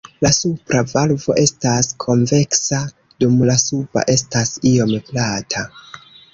La supra valvo estas konveksa dum la suba estas iom plata.